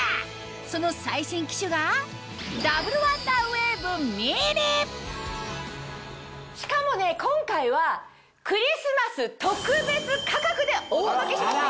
その最新機種がしかも今回はクリスマス特別価格でお届けしますよ。